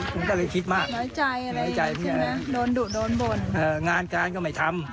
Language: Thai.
ก็เลยคิดมากน้อยใจอะไรอยู่จริงงั้นโดนดุโดนบ่นเอ่องานการณ์ก็ไม่ทำ